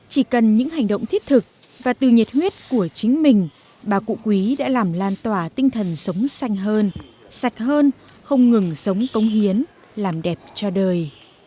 chỉ cần những hành động thiết thực và từ nhiệt huyết của chính mình bà cụ quý đã làm lan tỏa tinh thần sống xanh hơn sạch hơn không ngừng sống công hiến làm đẹp cho đời